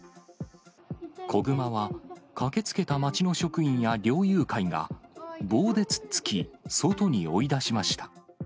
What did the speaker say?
子熊は、駆けつけた町の職員や猟友会が、棒で突っつき、外に追い出しました。